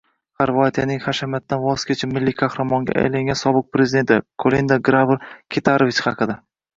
Xorvatiyaning hashamatdan voz kechib, milliy qahramonga aylangan sobiq prezidenti — Kolinda Grabar-Kitarovich haqida